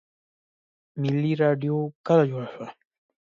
ملي راډیو کله جوړه شوه؟